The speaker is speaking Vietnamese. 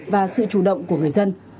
và sự chủ động của người dân